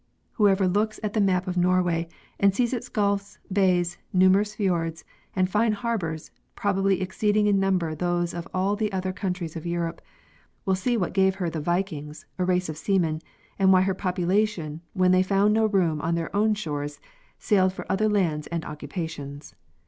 Whoever looks at the map of Norway and sees its gulfs, bays, numerous fiords, and fine harbors probably exceeding in number those of all the other countries of Europe, will see what gave her the vikings, a race of seamen, and why her population, when they found no room on their own shores, sailed for other lands and occupations.